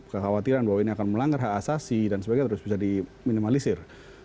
kekhawatiran bahwa ini akan melanggar hak asasi dan sebagainya terus bisa diminimalisir